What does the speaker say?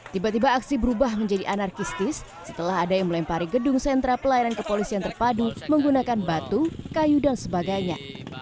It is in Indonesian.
tiba tiba aksi berubah menjadi anarkistis setelah ada yang melempari gedung sentra pelayanan kepolisian terpadu menggunakan batu kayu dan sebagainya